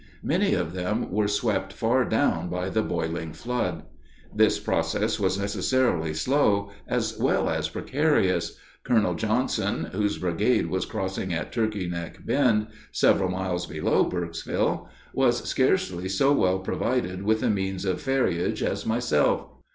Many of them were swept far down by the boiling flood. This process was necessarily slow, as well as precarious. Colonel Johnson, whose brigade was crossing at Turkey Neck Bend, several miles below Burkesville, was scarcely so well provided with the means of ferriage as myself.